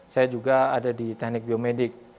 saya juga ada di teknik biomedik